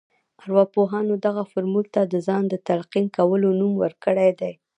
ارواپوهانو دغه فورمول ته د ځان ته د تلقين کولو نوم ورکړی دی.